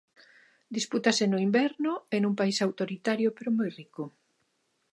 Dispútase no inverno e nun país autoritario pero moi rico.